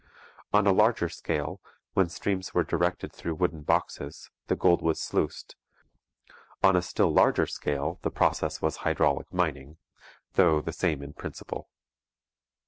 On a larger scale, when streams were directed through wooden boxes, the gold was sluiced; on a still larger scale, the process was hydraulic mining, though the same in principle.